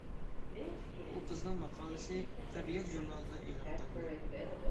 ئۇ قىزنىڭ ماقالىسى «تەبىئەت» ژۇرنىلىدا ئېلان قىلىندى.